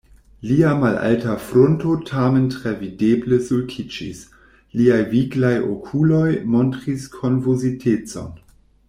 Lia malalta frunto tamen tre videble sulkiĝis, liaj viglaj okuloj montris konfuzitecon.